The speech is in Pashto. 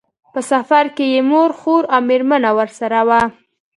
په سفر کې یې مور، خور او مېرمنه ورسره وو.